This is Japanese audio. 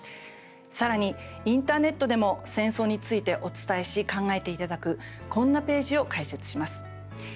さらに、インターネットでも戦争についてお伝えし考えていただくこんなページを開設します。